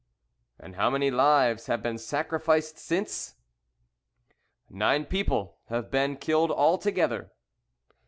"And how many lives have been sacrificed since?" "Nine people have been killed altogether."